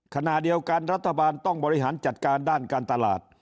ขณะเดียวกันรัฐบาลต้องบริหารจัดการด้านการตลาด